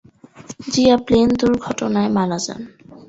Zia plane দুর্ঘটনায় মারা যান।